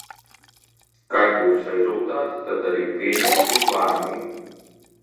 Kad būs rezultāti, tad arī pieņemsim lēmumu.